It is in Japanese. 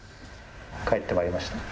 返ってまいりました。